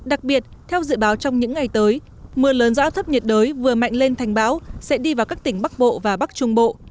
đặc biệt theo dự báo trong những ngày tới mưa lớn do áp thấp nhiệt đới vừa mạnh lên thành bão sẽ đi vào các tỉnh bắc bộ và bắc trung bộ